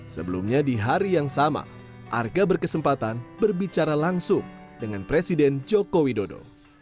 sebelumnya di hari yang sama arga berkesempatan berbicara langsung dengan presiden joko widodo